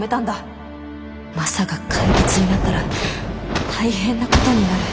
マサが怪物になったら大変なことになる。